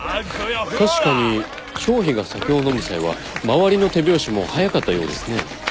確かに張飛が酒を飲む際は周りの手拍子も速かったようですね。